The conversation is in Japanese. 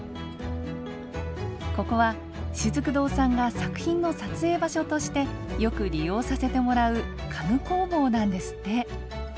ここはしずく堂さんが作品の撮影場所としてよく利用させてもらう家具工房なんですって。